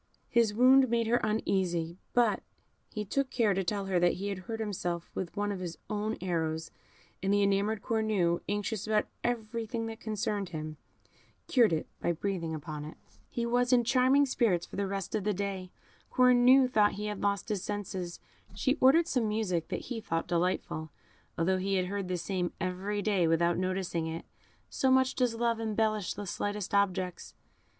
His wound made her uneasy, but he took care to tell her that he had hurt himself with one of his own arrows, and the enamoured Cornue, anxious about everything that concerned him, cured it by breathing upon it, without further inquiry. He was in charming spirits for the rest of the day; Cornue thought he had lost his senses; she ordered some music that he thought delightful, although he had heard the same every day without noticing it so much does love embellish the slightest objects.